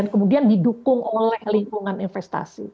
kemudian didukung oleh lingkungan investasi